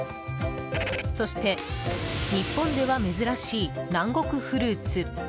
そして、日本では珍しい南国フルーツ。